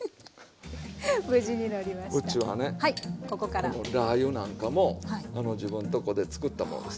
このラー油なんかも自分とこでつくったものです。